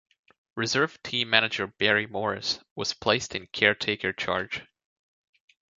Reserve team manager Barry Morris was placed in caretaker charge.